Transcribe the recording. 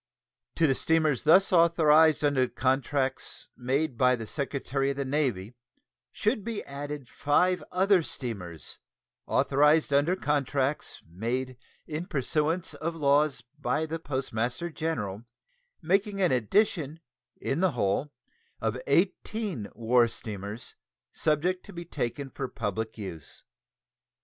To the steamers thus authorized under contracts made by the Secretary of the Navy should be added five other steamers authorized under contracts made in pursuance of laws by the Postmaster General, making an addition, in the whole, of eighteen war steamers subject to be taken for public use.